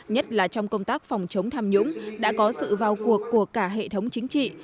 nhất là trong công tác phòng chống tham nhũng đã có sự vào cuộc của cả hệ thống chính trị